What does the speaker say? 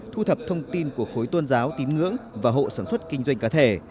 thu thập thông tin của khối tôn giáo tín ngưỡng và hộ sản xuất kinh doanh cá thể